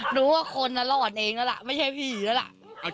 หนูว่าคนนั้นหล่อนเองแล้วล่ะไม่ใช่ผีแล้วล่ะ